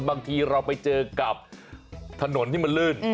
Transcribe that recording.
บางทีเราไปเจอกับถนนที่มันลื่น